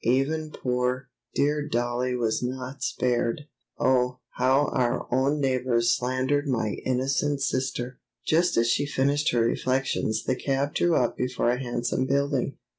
"Even poor, dear Dollie was not spared! Oh, how our own neighbors slandered my innocent sister!" Just as she finished her reflections the cab drew up before a handsome building.